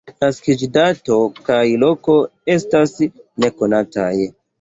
Naskiĝdato kaj -loko estas nekonataj.